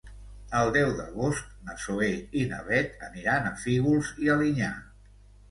El deu d'agost na Zoè i na Bet aniran a Fígols i Alinyà.